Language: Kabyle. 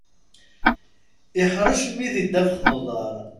Iḥrec mmi di ddabex n uḍar.